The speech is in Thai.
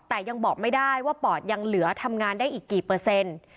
แต่ยังบอกไม่ได้ว่าปอดยังเหลือทำงานได้อีกกี่เปอร์เซ็นต์